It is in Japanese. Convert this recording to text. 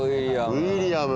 ウィリアム。